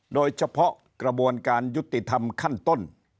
โดยเฉพาะกระบวนการยุติธรรมขั้นต้น